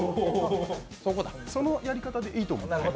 そのやり方でいいと思う。